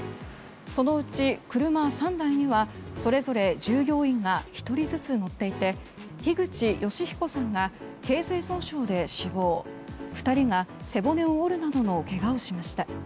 そのうち車３台にはそれぞれ従業員が１人ずつ乗っていて樋口善彦さんが頚髄損傷で死亡２人が背骨を折るなどのけがをしました。